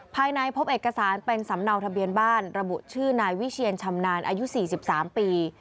ภายในพบเอกสารเป็นสำเนาทะเบียนบ้านระบุชื่อนายวิเชียนชำนาญอายุ๔๓ปี